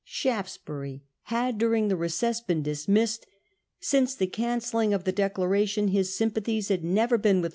Shaftesbury had during the recess JkmUsai; been dismissed. Since the cancelling of the ward in Declaration his sympathies had never been opposition.